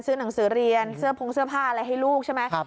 หนังสือเรียนเสื้อพงเสื้อผ้าอะไรให้ลูกใช่ไหม